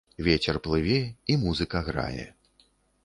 Вецер плыве, і музыка грае.